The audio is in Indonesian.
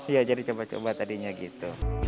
iya jadi coba coba tadinya gitu